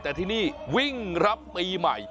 แต่ที่นี่วิ่งรับปีใหม่